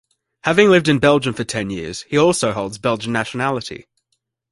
Having lived in Belgium for ten years, he also holds Belgian nationality.